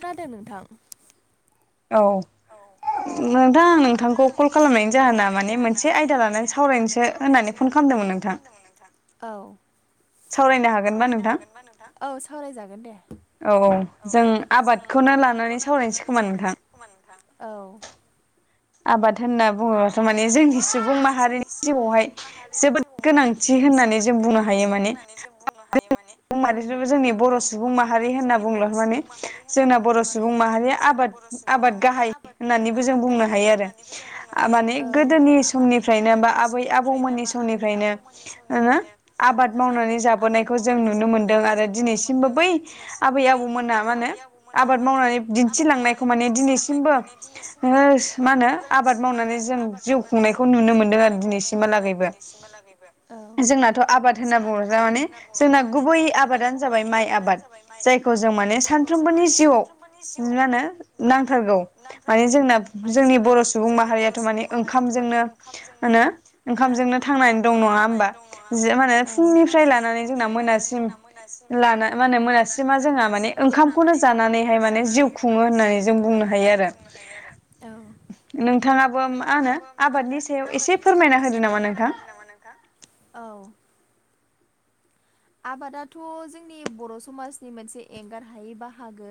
खोनादो नोंथां। औ। नोंथां आं नोंथांखौ कल खालामनायनि जाहोना माने मोनसे आयदा लानानै सावरायनोसो होननानै फन खालामदोंमोन नोंथां। औ सावरायनो हागोनबा नोंथां औ सावरायजागोन दे औ औ जों आबादखौनो लानानै सावरायनोसै खोमा नोंथां। औ। आबाद होनना बुङोब्लाथ' माने जोंनि सुबुं माहारिनि जिउआवहाय जोबोद हाय जोबोद गोनांथि होननानै जों बुंनो हायो माने नि बर' सुबुं माहारि होनना बुंब्लाथ' माने जोंना बर' सुबुं माहारिया आबाद आबाद गाहाय होननानैबो जों बुंनो हायो आरो। माने गोदोनि समनिफ्रायनो बा आबै आबौमोननि समनिफ्रायनोना आबाद मावनानै जाबोनायखौ जों नुनो मोनदों आरो दिनैसिमबो बै आबै आबौमोना मा होनो आबाद मावनानै दिन्थिलांनायखौ माने दिनैसिमबो नोंङो मा होनो आबाद मावनानै जों जिउ खुंनायखौ नुनो मोनदों आरो दिनैसिमहालागैबो। दासिमहालागैबो ओ जोंनाथ' आबाद होनना बुङो जाहामाने जोंना गुबै आबादानो जाबाय माइ आबाद। जायखौ जों माने सानफ्रोमबोनि जिउआव मा होनो नांथारगौ माने जोंना जोंनि बर' सुबुं सुबुं माहारियाथ' मान ओंखामजोंनो मानो ओंखामजोंनो थांनानै दं नङा होमबा मा होनो फुंनिफ्राय लानानै जोंना मोनासिम लाना मा होनो मोनासिमा जोंहा माने मां जोंहा माने ओंखामखौनो जानानैहाय माने जिउ खुङो होननानै जों बुंनो हायो आरो। नोंथाङाबो मा होनो आबादनि सायाव एसे फोरमायना होदो नामा नोंथां। [unintelligible] नोंथां औ। आबादाथ' जोंनि बर' समाजनि मोनसे एंगार हायै बाहागो।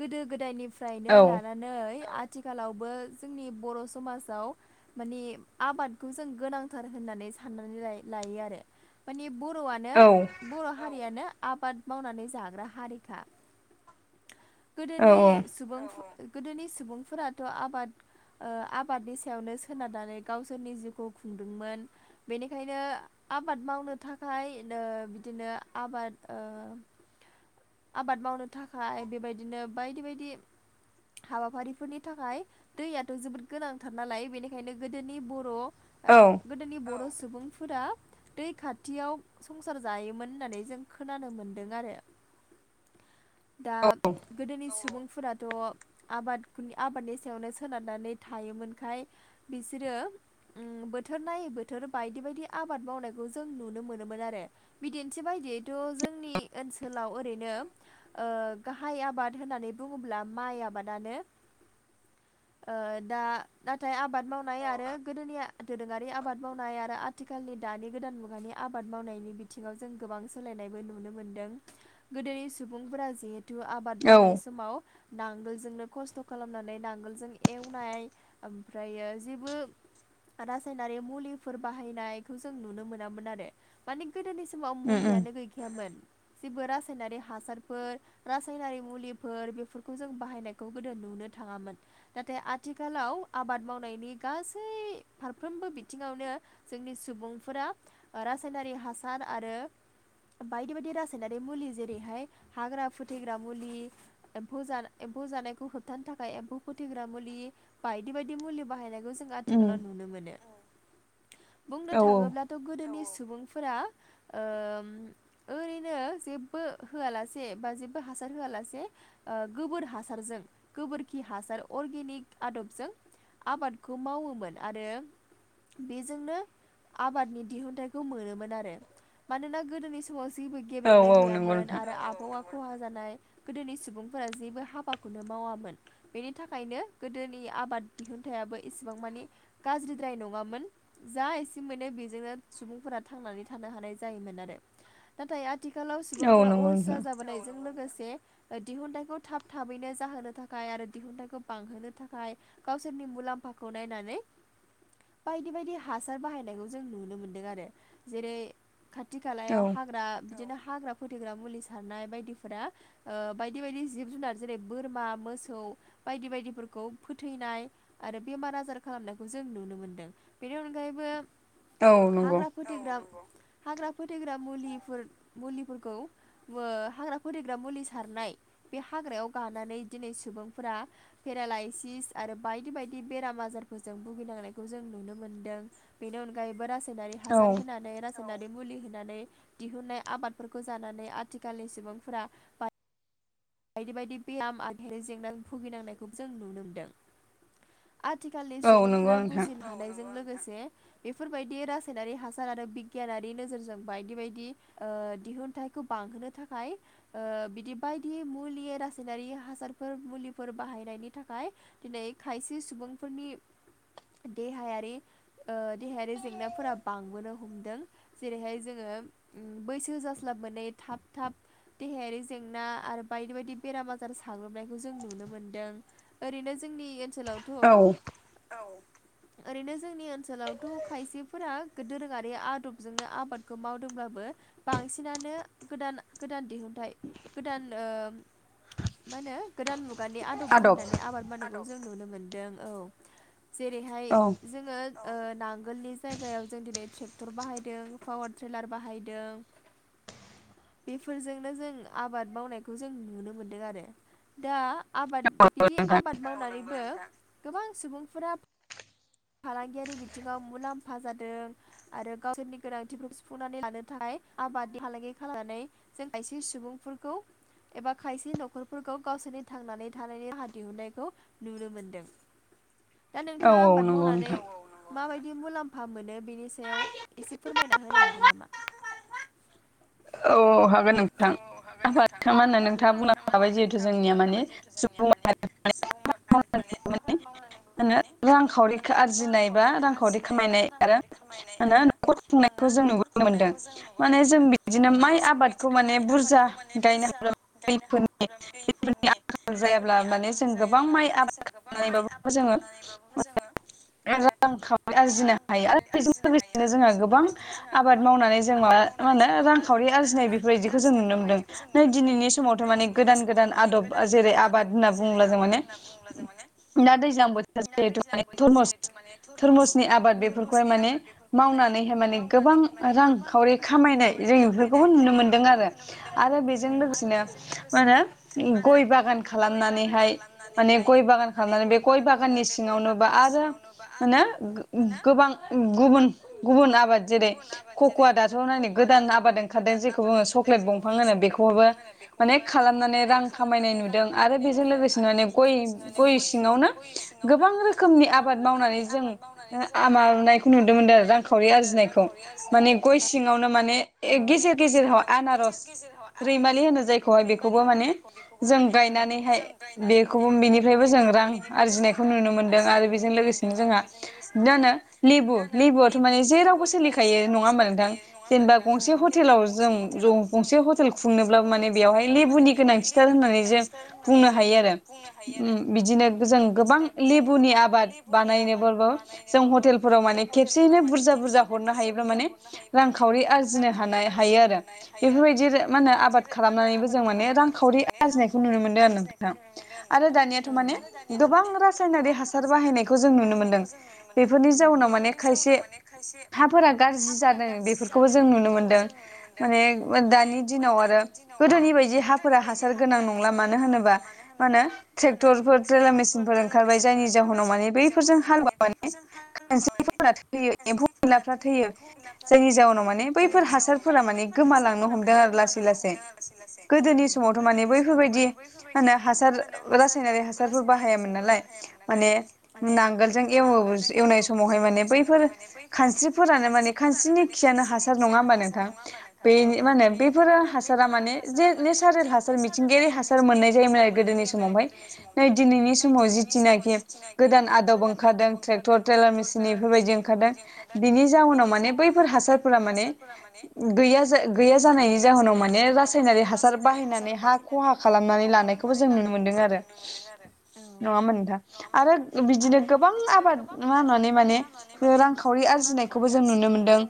गोदो गोदायनिफ्रायनो लानानै आथिखालावबो जोंनि बर' समाजाव माने आबादखौ जों गोनांथार होननानै साननानै लाय लायो आरो। माने बर'आनो बर' हारियानो आबाद मावनानै जाग्रा हारिखा। गोदोनि सुबुं गोदोनि सुबुंफोराथ' आबाद ओ आब बादनि सायावनो सोनारनानै गावसोरनि जिउखौ खुंदोंमोन। बेनिखायनो आबाद मावनो थाखाय ओ बिदिनो आबाद ओ आबाद मावनो थाखाय बेबायदिनो बायदि बायदि हाबाफारिफोरनि थाखाय दैयाथ' जोबोद गोनांथार नालाय बेनिखायनो गोदोनि बर' गोदोनि बर' सुबुंफोरा दै खाथियाव संसार जायोमोन होननानै जों खोनानो मोन्दों आरो दा गोदोनि सुबुंफोराथ' आबादनि आबादनि सायावनो सोनारनानै थायोमोनखाय बिसोरो उम बोथोर नायै बोथोर बायदि-बायदि आबाद मावनायखौ जों नुनो मोनोमोन आरो। बिदिन्थि बायदियैथ' जोंनि ओनसोलाव ओरै नोम ओ गाहाय आबाद होननानै बुङोब्ला माइ आबादानो। [inaudible] ओ दा नाथाय आबाद मावनाय आरो गोदोनि दोरोङारि आबाद मावनाय आरो आथिखालनि दानि गोदान मुगानि आबाद मावनायनि बिथिङाव जों गोबां सोलायनायबो नुनो मोनदों। गोदोनि सुबुंफोरा जिहेथु आबाद मावनाय समाव नांगोलजोंनो खस्थ' खालामनानै नांगोलजों एवनाय ओमफ्रायो जेबो रासायनारि मुलिफोर बाहायनायखौ जों नुनो मोनामोन आरो माने गोदोनि समाव मुलियानो गैखायामोन। जेबो रासायनारि हासारफोर रासायनारि मुलिफोर बेफोरखौ जों बाहायनायखौ गोदो नुनो थाङामोन। नाथाय आथिखालाव आबाद मावनायनि गासै फारफ्रोमबो बिथिङावनो जोंनि सुबुंफोरा रासायनारि हासार आरो बायदि बायदि रासायनारि मुलि जेरैहाय हाग्रा फुथैग्रा मुलि एम्फौ एम्फौ जानायखौ होबथानो थाखाय एम्फौ फोथैग्रा मुलि बायदि बायदि मुलि बाहायनायखौ जों आथिखालाव नुनो मोनो। बुंनो थाङोब्लाथ' गोदोनि सुबुंफोरा ओम ओरैनो जे जेबो होआलासे बा जेबो हासार होआलासे ओ गोबोर हासारजों गोबोरखि हासार अर्गेनिक आदबजों आबादखौ मावोमोन आरो बेजोंनो आबादनि दिहुनथाइखौ मोनोमोन आरो मानोना गोदोनि बिसमाव जेबोगो औ औ नंगौ नोंथां। आबहावा खहा जानाय गोदोनि सुबुंफोरा जेबो हाबाखौनो मावामोन‌। बेनि थाखायनो गोदोनि आबाद दिहुनथायाइाबो इसेबां मानि गाज्रिद्राय नङामोन। जा एसे मोनो बेजोंनो सुबुंफोरा थांनानै थानो हानाय जायोमोन आरो नाथाय आथिखाल आथिखालाव सुबुंफ्रा अलसिया जाबोनायजों लोगोसे ओ दिहुनथाइखौ थाब थाबैनो जाहोनो थाखाय आरो दिहुनथाइखौ बांहोनो थाखाय गावसोरनि मुलाम्फाखौ नायनानै बायदि बायदि हासार बाहायनायखौ जों नुनो मोन्दों आरो जेरै खाथि खालायाव हाग्रा बिदिनो हाग्रा फोथैग्रा मुलि सारनाय बायदिफोरा ओ बायदि बायदि जिब जुनार जेरै बोरमा मोसौ बायदि बायदिफोरखौ फोथैनाय आरो बेमार आजार खालामनायखौ जों नुनो मोनदों बेनि अनगायैबो हाग्रा फोथैग्रा औ नंगौ हाग्रा फोथैग्रा मुलि मुलिफोरखौ ओ हाग्रा फोथैग्रा मुलि सारनाय बे हाग्रायाव गानानै दिनै सुबुंफोरा पेरालाायसिस आरो बायदि बायदि बेराम आजारफोरजों भुगिनांनायखौ जों नुनो मोन्दों। बेनि अनगायैबो रासायनारि हासार होनानै रासायनारि मुलि होनानै दिहुननाय आबादफोरखौ जानानै आथिखालनि सुबुंफोरा बायदि बायदि बेयाम आखाइनि जेंनाजों भुगिनांनायखौबो जों नुनो मोन्दों। आथिखालनि सुबुंफोरा बुजिनो हानायजों लोगोसे बेफोरबायदि रासायनारि हासार आरो बिगियानारि नोजोरजों बायदि बायदि ओ दिहुनथाइ खौ बांहोनो थाखाय ओ बिदि बायदि मुलि रासायनारि हासारफोर मुलिफोर बाहायनायनि थाखाय दिनै खायसे सुबुंफोरनि देहायारि ओ देहायारि जेंनाफोरा बांबोनो हमदों जेरैहाय जोङो उम बैसो जास्लाबमोनै थाब थाब देहायारि जेंना आरो बायदि बायदि बेराम आजार साग्लोबनायखौ जों नुनो मोनदों ओरैनो जोंनि ओनसोलावथ ओरैनो जोंनि ओनसोलावथ खायसेफोरा दोरोङारि आदबजोंनो आबादखौ मावदोंब्लाबो बांसिनानो गोदान गोदान दिहुनथाइ गोदान ओ मा होनो गोदान मुगानि आदब बाहायनानै आबाद मावनायखौ जों नुनो मोनदों औ जेरैहाय जोङो ओ नांगोलनि जायगायाव जों दिनै ट्रेक्टर बाहायदों पावार ट्रेलार बाहायदों बेफोरजोंनो जों आबाद मावनायखौ जों नुनो मोनदों आरो दा आबाद बिदि आबाद मावनानैबो गोबां सुबुंफोरा फालांगियारि बिथिङाव मुलाम्फा जादों आरो गावसोरनि गोनांथिफोरखौ सुफुंनानै लानो थाखाय आबादनि फालांगि खालामनानै जों खायसे सुबुंफोरखौ एबा खायसे नखरफोरखौ गावसोरनि थांनानै थानायनि राहा दिहुनन्नायखौ नुनो मोनदों दा नोंथाङा आबाद माबायदि मुलाम्फा मोनो बेनि सायाव एसे फोरमायना होनो हागोन नामा? औ हागोन नोंथां आबादखो मा होनो नोंथाङा बुंलांखाबाय जिहेथु जोंनिया माने सुबुं माहारिनि [unintelligible] मा होनो रांखावरि आरजिनाय बा रांखावरि खामायनाय आरो मानो न'खर खुंनायखौ जों नुुबोनो मोनदों माने जों बिदिनो माइ आबाद बिदिनो माइ आबादखौ माने बुरजा गायनो हादों दैफोरनि दैफोरनि आंखाल जायाब्ला माने जों गोबां माइ आबाद खालामनानैबाबो जोङो माने रांखावरि आरजिनो हायो आरो बेजों लोगोसेनो जोंहा गोबां आबाद मावनानै जों माबख माहोनो रांखावि आरजिनाय बि बेफोरदिखौ जों नुनो मोनदों नै दिनैनि समावथ' माने गोदान गोदान आदब जेरै आबाद होनना बुङोब्ला जों माने दा दैज्लां बोथोराव जिहेथु माने टरमुस टरमुसनि आबाद बेफोरखौहाय माने मावनानैहाय माने गोबां रांखावरि खामायनाय जे खामायनाय जों दों आरो आरो बेजों लोगोसेनो मा होनो गय बागान खालामनानैहाय माने गय बागान खालामनानै बे गय बागाननि सिङावनो बा आरो मोनो गोबां गुबुन गुबुन आबाद जेरै खक'वा दाथ' होननानै गोदा आबाद ओंखारदों जेखौ सक्लेट दंफां होनो बेखौबो माने खालामनानै रां खामायनाय नुदों आरो बेजों लोगोसेनो माने गय गय सिङावनो गोबां रोखोमनि आबाद मावनानै जों आमानायखौ नुदोमोनदों रांखावरि आरजिनायखौ माने गय सिङावनो माने गेजेर गेजेराव आनारस रैमालि होनो जायखौहाय बेखौबो माने जों गायनानैहाय बेखौबो बेनिफ्रायबो जों रां आरजिनायखौ नुनो मोनदों आरो बेजों लोगोसे जोंहा [unintelligible] लेबु लेबुआथ' माने जेरावबो सोलिखायो नङा होमबा नोंथां जेनबा गंसे हटेलाव जों ज गंसे हटेल खुंनोब्ला माने बेयावहाय लेबुनि गोनांथिथार होननानै जों बुंनो हायो आरो उम बिदिनो जों गोबां लेबुनि आबाद बानायनो बाबो जों हटेलफोराव माने खेबसेयैनो बुरजा बुरजा हरनो हायोब्ला माने रांखावरि आरजिनो हानाय हायो आरो बेफोरबायदि मा होनो आबाद खालामनानैबो जों माने रांखावरि आरजिनायखौ नुनो मोनदों आरो नोंथां आरो दानियाथ माने गोबां रासायनारि हास रासायनारि हासार बाहायनायखौ जों नुनो मोन्दों बेफोरनि जाउनाव माने खायसे हाफोरा गाज्रि जादों बेफोरखौबो जों मोन्दों माने दानि दिनाव आरो गोदोनि बायदि हाफोरा हासार गोनां नंला मानो होनोब्ला मा होनो ट्रेक्टरफोरजों रलार मेसिनफोर ओंखारबाय जायनि जाहोनाव माने बैफोरजों हालबा मा फोरजों हामोबा माने खस्रिफोरना थैयो एम्फौ-एनलाफ्रा थैयो। माने बैफोर हासारफोरा माने गोमालांनो हमदों आरो लासै लासै गोदोनि समावथ' माने बैफोरबायदि मा होनो हासार रासायनारि हासारफोर बाहायामोन नालाय माने नांगोलजों एवो एवनाय समावहाय माने बैफोर खानस्रिफोरानो माने खानस्रिनि खिआनो हासार जायखियानो हासार नङा होमबा नोंथां बे म होने बेफोर हासारा माने सारेल हासार मिथिंगायारि हासार मोननाय जायोमोन आरो गोदोनि समावहाय नै दिनैनि समाव जितुनाखि गोदान आदब ओंखारदों ट्रेक्टर ट्रलार मेसिन बेफोरबायदि ओंखारदों बिनि जाउनाव माने बै फोर हासारफो रा माने गैया गैया जानायनि जाव माने रासायनारि हासार बाहायनानै हा खहा खालामनानै लानायखौबो जों नुनो मोन्दों आरो नङा होंडा नोथां आरो बिदिनो गोबां आबाद मावनानै माने रांखावरि आरजिनाय खौबो जों नुनो मोनदों।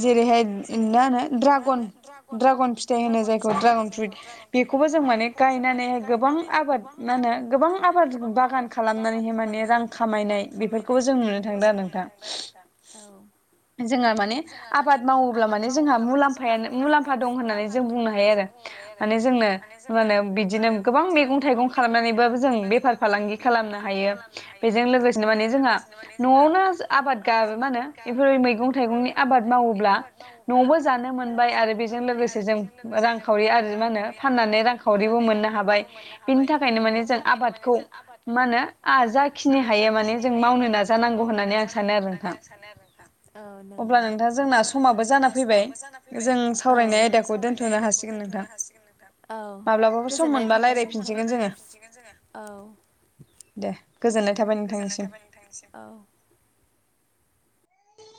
जेरैहाय मा होनो ड्रागन ड्रागन फिथाइ होनो जायखौ ड्रागन फ्रुइट बेखौबो जों माने गायनानैहाय गोबां आबाद मा होनो गोबां आबाद बागान बागान खालामनानैहाय माने रां खामायनाय बेफोरखौबो जों नुनो थांदों नोंथा। जोङो माने आबाद मावोब्ला माने जोंहा मुलामफा मुलाम्फाया दं होननानै जों बुंनो हायो आरो माने जोंनो मा होनो बिदिनो गोबां मैगं-थाइगं खालामनानैबाबो जों बेफार फालांगि खालामनो हायो। बेजों लोगोसेनो माने जोंहा न'आवनो आबाद गाबो मा होनो बेफोर मैगं-थाइगंनि आबाद मावोब्ला न'आवबो जानो मोनबाय आरो बेजों लोगोसे जों रांखावरि आरो मा होनो फाननानै रां खावरि मोननो हाबाय बिनि थाखायनो माने जों आबादखौ मा होनो जा आं जाखिनि हायो माने जों मावनो नाजानांगौ होननानै आं सानो आरो नोंथां नंगौ। अब्ला नोंथां जोंना समाबो जाना फैबाय जों सावरायनाय आयदाखौ दोन्थ'नो हासिगोन नोंथां। औ गोजोननाय थाबाय नोंथां रायायफिनसिगोन औ दे गोजोननाय थाबाय नोंथांनिसिम नोसै औ